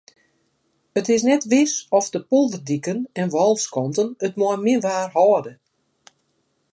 It is net wis oft de polderdiken en wâlskanten it mei min waar hâlde.